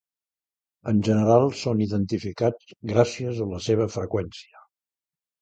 En general són identificats gràcies a la seva freqüència.